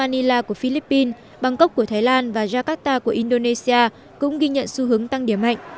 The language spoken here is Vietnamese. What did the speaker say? các thị trường của philippines bangkok của thái lan và jakarta của indonesia cũng ghi nhận xu hướng tăng điểm mạnh